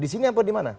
di sini apa di mana